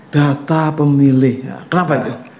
data pemilih kenapa itu